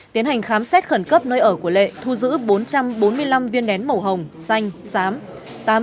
tiến hành khám xét khẩn cấp nơi ở của lệ thu giữ bốn trăm bốn mươi năm viên nén màu hồng xanh sám